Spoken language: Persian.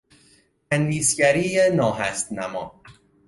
تندیس گری ناهستنما